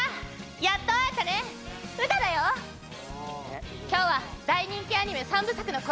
やっと会えたねウタだよ今日は大人気アニメ３部作の声